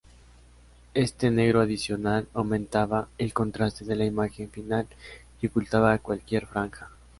Este negro adicional aumentaba el contraste de la imagen final y ocultaba cualquier franja.